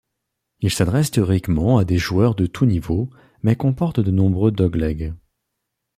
Il s'adresse théoriquement à des joueurs de tous niveaux, mais comporte de nombreux dogs-legs.